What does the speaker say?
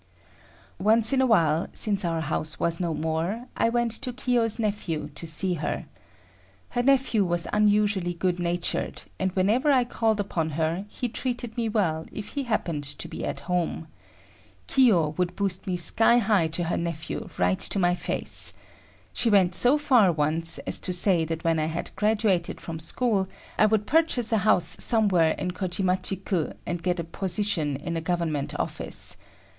Once in a while, since our house was no more, I went to Kiyo's nephew's to see her. Her nephew was unusually good natured, and whenever I called upon her, he treated me well if he happened to be at home. Kiyo would boost me sky high to her nephew right to my face. She went so far once as to say that when I had graduated from school, I would purchase a house somewhere in Kojimachi ku and get a position in a government office.